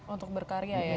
untuk berkarya ya